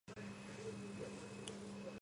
ქალაქი მდებარეობს ანგოლის საზღვართან.